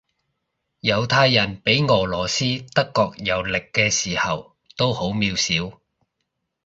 猶太人畀俄羅斯德國蹂躪嘅時候都好渺小